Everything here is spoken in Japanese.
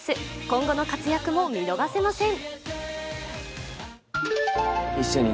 今後の活躍も見逃せません。